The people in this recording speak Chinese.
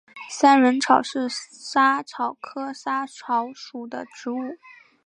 三轮草是莎草科莎草属的植物。